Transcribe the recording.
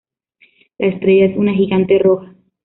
La estrella es una gigante roja.